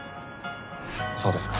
そうですか。